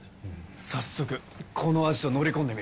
早速このアジト乗り込んでみるか？